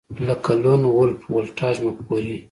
لکه لون وولف ولټاژ مفکورې